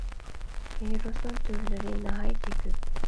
ۋىرۇسنىڭ تۈرلىرى ناھايىتى كۆپ.